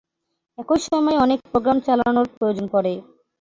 একই সময়ে অনেক প্রোগ্রাম চালনার প্রয়োজন পড়ে।